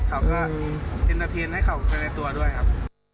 เขาก็เห็นตะเทียดให้เขาในตัวด้วยครับ